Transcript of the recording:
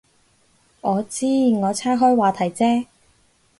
我知，我岔开话题啫